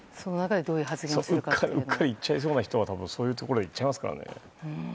うっかり言いそうな人はそういうところで言っちゃいますから。